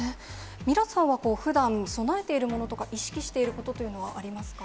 ミラさんはふだん、備えているものとか、意識していることというのはありますか？